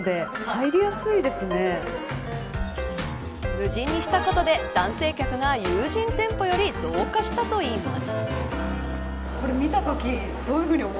無人にしたことで男性客が有人店舗より増加したといいます。